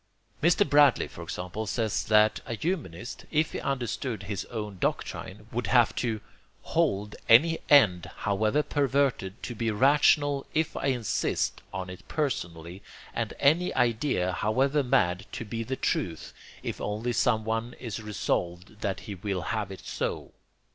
Mr. Bradley, for example, says that a humanist, if he understood his own doctrine, would have to "hold any end however perverted to be rational if I insist on it personally, and any idea however mad to be the truth if only some one is resolved that he will have it so."